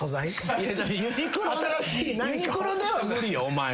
ユニクロでは無理よお前は。